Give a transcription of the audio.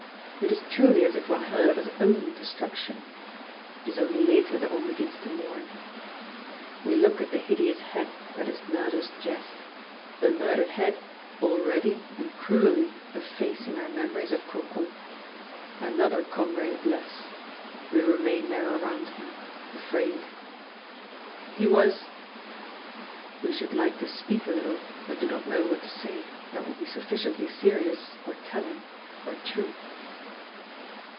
It is truly as if one heard of his own destruction. It is only later that one begins to mourn. We look at the hideous head that is murder's jest, the murdered head already and cruelly effacing our memories of Cocon. Another comrade less. We remain there around him, afraid. "He was " We should like to speak a little, but do not know what to say that would be sufficiently serious or telling or true.